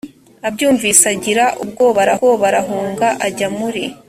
abyumvise agira ubwoba arahunga ajya muri